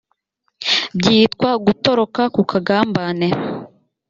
byitwa gutoroka ku kagambane